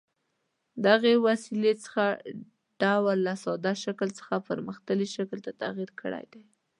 دغې وسیلې څه ډول له ساده شکل څخه پرمختللي شکل ته تغیر کړی دی؟